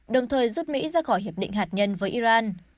đồng thời rút mỹ ra khỏi hiệp định hạt nhân với iran